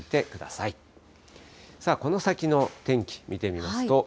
さあ、この先の天気見てみますと。